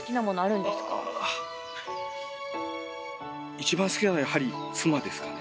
一番好きなのはやはり妻ですかね